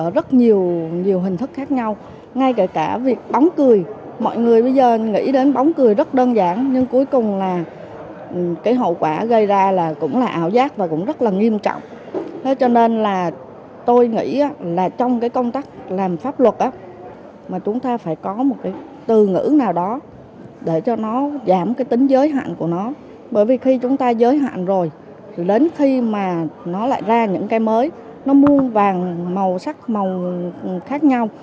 để cho nó giảm cái tính giới hạn của nó bởi vì khi chúng ta giới hạn rồi đến khi mà nó lại ra những cái mới nó mua vàng màu sắc màu khác nhau